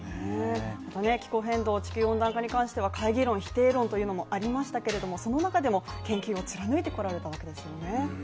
気候変動、地球温暖化については懐疑論、否定論もありましたが、その中でも研究を貫いてこられたわけですよね。